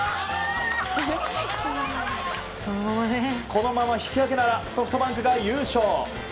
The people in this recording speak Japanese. このまま引き分けならソフトバンクが優勝。